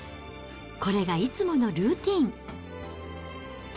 これがいつものルーティン。